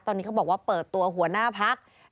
ตอนนี้เขาบอกว่าเปิดตัวหัวหน้าพัก